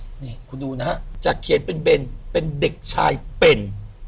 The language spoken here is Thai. นี่คุณดูนะฮะจากเขียนเป็นเบนเป็นเด็กชายเป็น